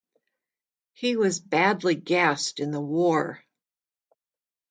He was badly gassed in the war.